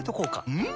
うん！